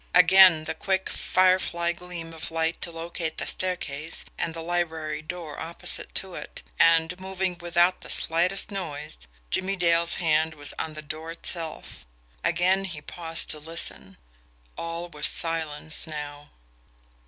Again the quick, firefly gleam of light to locate the stair case and the library door opposite to it and, moving without the slightest noise, Jimmie Dale's hand was on the door itself. Again he paused to listen. All was silence now.